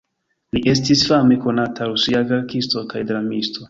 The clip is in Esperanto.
Li estis fame konata rusia verkisto kaj dramisto.